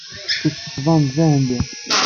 Kečč tettbaneḍ-d d Ahendi.